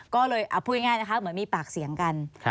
ก็เลยเอาพูดง่ายนะคะเหมือนมีปากเสียงกัน